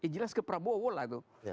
jelas ke prabowo lah itu